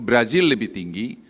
brazil lebih tinggi